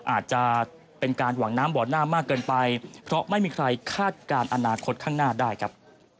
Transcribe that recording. อาจจะเป็นการหวังน้ำบ่อหน้ามากเกินไปเพราะไม่มีใครคาดการณ์อนาคตข้างหน้าได้ครับ